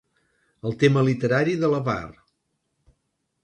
El tema literari de l'avar.